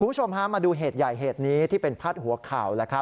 คุณผู้ชมฮะมาดูเหตุใหญ่เหตุนี้ที่เป็นพาดหัวข่าว